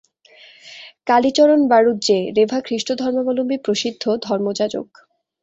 কালীচরণ বাঁড়ুজ্যে, রেভা খ্রীষ্টধর্মাবলম্বী প্রসিদ্ধ ধর্মযাজক।